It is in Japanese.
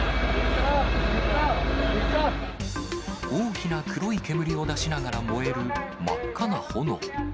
大きな黒い煙を出しながら燃える真っ赤な炎。